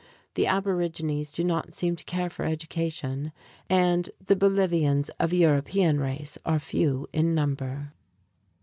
The aborigines do not seem to care for education, and the Bolivians of European race are few in number.